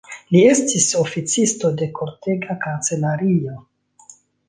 Li estis oficisto de kortega kancelario.